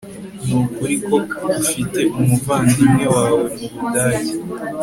Nukuri ko ufite umuvandimwe wawe mubudage